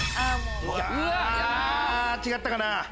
うわ違ったかな。